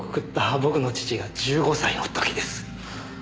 僕の父が１５歳の時です。